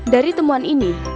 dari temuan ini